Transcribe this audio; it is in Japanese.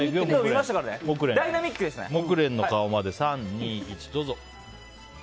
モクレンの顔まで３、２、１。